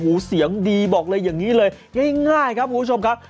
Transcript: โอ้โหเสียงดีบอกเลยอย่างนี้เลยง่ายครับคุณผู้ชมครับ